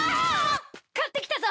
買ってきたぞ！